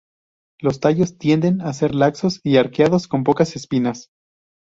Los tallos tienden a ser laxos y arqueados, con pocas espinas.